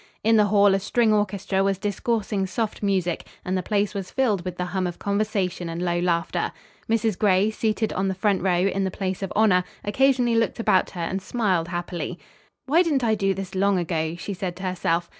In the hall a string orchestra was discoursing soft music and the place was filled with the hum of conversation and low laughter. Mrs. Gray, seated on the front row, in the place of honor, occasionally looked about her and smiled happily. "Why didn't I do this long ago?" she said to herself.